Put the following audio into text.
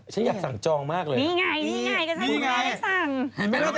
เปล่าแหละแบบ